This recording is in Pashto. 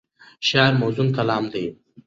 شعر موزون کلام دی.